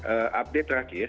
mereka update terakhir